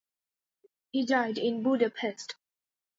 He died in Budapest.